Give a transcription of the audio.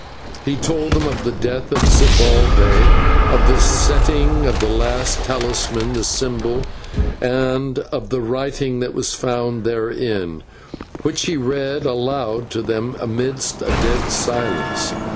He told them of the death of Zibalbay, of the setting of the lost talisman in the symbol, and of the writing which was found therein, which he read aloud to them amidst a dead silence.